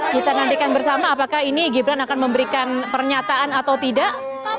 kita nantikan bersama apakah ini gibran akan memberikan pernyataan atau tidak